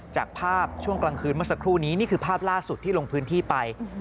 จากภาพช่วงกลางคืนเมื่อสักครู่นี้นี่คือภาพล่าสุดที่ลงพื้นที่ไป